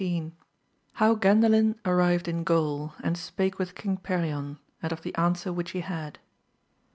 — How Gandalin arrived in Gaul, and spake with Xing Perion, and of the answer which he had.